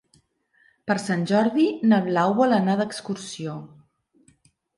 Per Sant Jordi na Blau vol anar d'excursió.